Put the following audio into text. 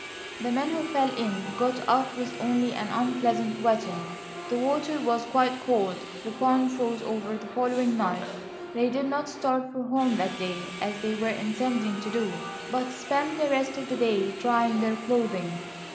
The men who fell in got off with only an unpleasant wetting. The water was quite cold; the pond froze over the following night. They did not start for home that day, as they were intending to do, but spent the rest of the day drying their clothing.